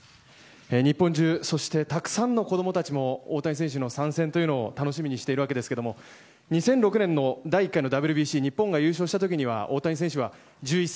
日本中そして、たくさんの子供たちも大谷選手の参戦というのを楽しみにしているわけですけども２００６年の第１回のＷＢＣ日本が優勝した時は大谷さんは１１歳。